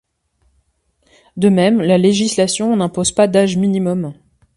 De même, la législation n'impose pas d'âge minimum.